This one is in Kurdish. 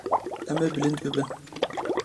Em ê bilind bibin.